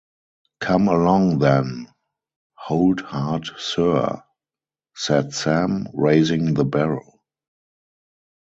‘Come along, then.’ ‘Hold hard, Sir,’ said Sam, raising the barrow.